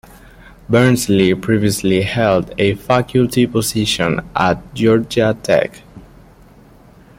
Barnsley previously held a faculty position at Georgia Tech.